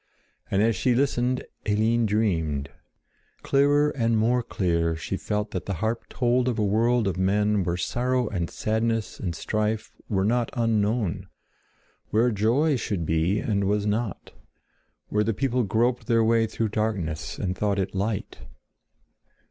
And as she listened, Eline dreamed. Clearer and more clear she felt that the harp told of a world of men where sorrow and sadness and strife were not unknown; where joy should be, and was not; where the people groped their way through darkness and thought it light.